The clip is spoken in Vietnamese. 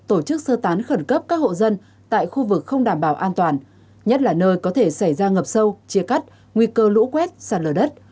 tổ chức sơ tán khẩn cấp các hộ dân tại khu vực không đảm bảo an toàn nhất là nơi có thể xảy ra ngập sâu chia cắt nguy cơ lũ quét sạt lở đất